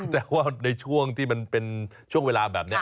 แต่ว่าในช่วงที่มันเป็นช่วงเวลาแบบนี้